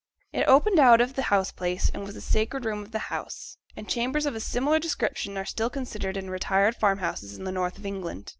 It opened out of the house place, and was the sacred room of the house, as chambers of a similar description are still considered in retired farmhouses in the north of England.